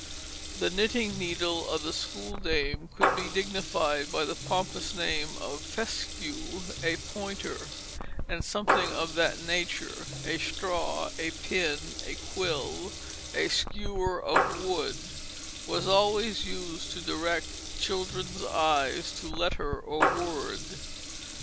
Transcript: '" The knitting needle of the schooldame could be dignified by the pompous name of fescue, a pointer; and something of that nature, a straw, a pin, a quill, a skewer of wood, was always used to direct children's eyes to letter or word.